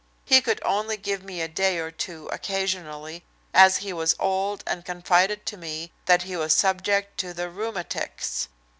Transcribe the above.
He could only give me a day or two occasionally, as he was old and confided to me that he was subject to "the rheumatics."